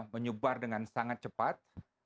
menyubar dengan sangat cepat